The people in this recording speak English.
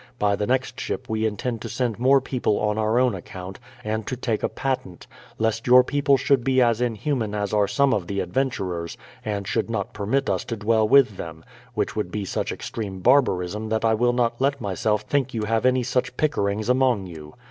... By the next ship we intend to send more people on our own account, and to take a patent ; lest your people should be as inhuman as are some of the adventurers, and should not permit us to dwell with them, which would be such extreme barbarism that I will not let myself think you have any such Pickerings among you.